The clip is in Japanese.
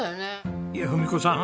いや文子さん